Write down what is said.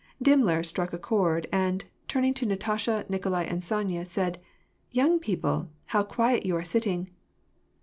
Dimmler struck a chord, and, turning to Natasha, Nikolai, and Sonya, said, "Young people, how quiet you are sitting